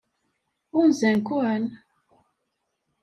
Ɣunzan-ken?